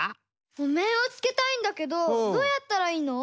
おめんをつけたいんだけどどうやったらいいの？